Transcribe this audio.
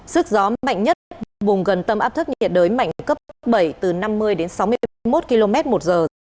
sức gió mạnh nhất vùng gần tâm áp thấp nhiệt đới mạnh cấp bảy từ năm mươi sáu mươi một km một giờ